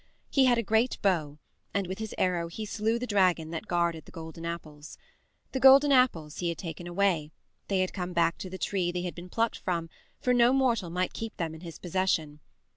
He had a great bow, and with his arrow he slew the dragon that guarded the golden apples. The golden apples he had taken away; they had come back to the tree they had been plucked from, for no mortal might keep them in his possession.